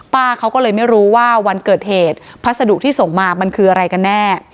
ป้าเขาก็เลยไม่รู้ว่าวันเกิดเหตุพัสดุที่ส่งมามันคืออะไรกันแน่